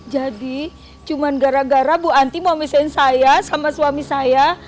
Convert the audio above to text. jadi cuman gara gara bu hanti mau misiin saya sama suami saya